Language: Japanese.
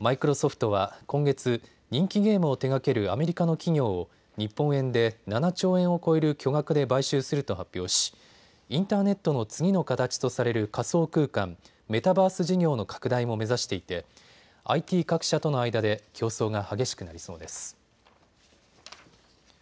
マイクロソフトは今月、人気ゲームを手がけるアメリカの企業を日本円で７兆円を超える巨額で買収すると発表しインターネットの次の形とされる仮想空間、メタバース事業の拡大も目指していてＩＴ各社との間で競争が激しくなりそうです。